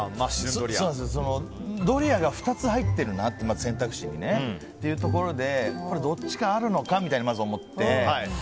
ドリアが選択肢に２つ入ってるなというところでどっちかあるのかみたいにまず思って。